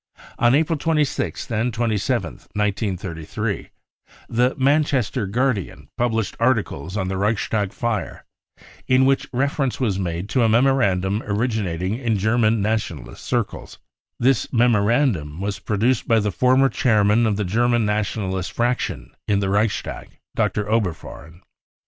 On April 26th and 27th, 1933, the Manchester Guardian published articles on the Reichstag fire in which reference was made to a memorandum originating in German Nationalist circles. This memorandum was pro duced by the former chairman of the German Nationalist * fraction in the Reichstag, Dr. Oberfohren.